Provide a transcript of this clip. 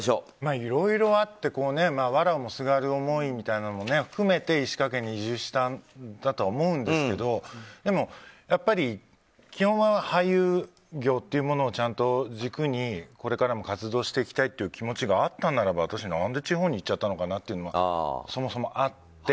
いろいろあってわらをもすがる思いというのを含めて石川県に移住したんだとは思うんですけどでも基本は俳優業というものをちゃんと軸に、これからも活動していきたいという気持ちがあったならば私、何で地方に行っちゃったのかなというのもそもそもあって。